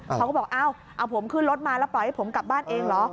เขาก็บอกเอ้าเอาผมขึ้นรถมาแล้วปล่อยให้ผมกลับบ้านเองเหรอ